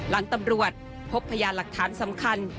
หลังตำรวจพบพยานหลักฐานสำคัญ